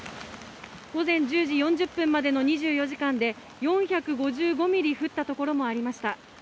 午前１０時４０分までの２４時間で４５５ミリ降ったところもありました。